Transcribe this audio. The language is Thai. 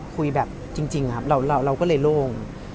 คุยแบบจริงครับเราก็เลยโล่ง